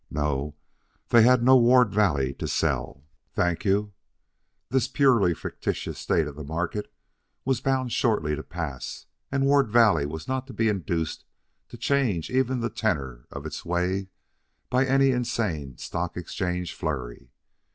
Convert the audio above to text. No; they had no Ward Valley to sell, thank you. This purely fictitious state of the market was bound shortly to pass, and Ward Valley was not to be induced to change the even tenor of its way by any insane stock exchange flurry.